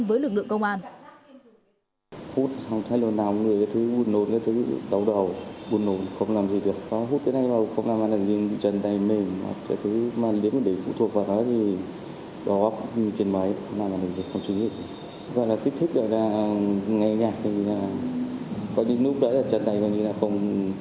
với lực lượng công an